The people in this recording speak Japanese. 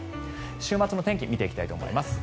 週末の天気見ていきたいと思います。